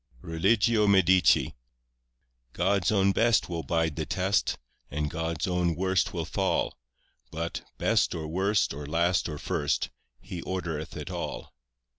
RELIGIO MEDICI 1 God's own best will bide the test, And God's own worst will fall; But, best or worst or last or first, He ordereth it all.